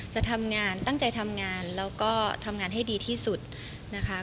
จะทำงานตั้งใจทำงานแล้วก็ทำงานให้ดีที่สุดนะคะ